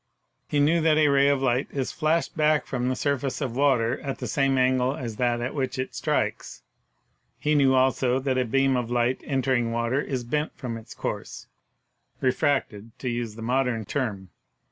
He knew that a ray of light is flashed back from the 66 PHYSICS surface of water at the same angle as that at which it strikes; he knew, also, that a beam of light entering water is bent from its course — refracted, to use the mod ern tern.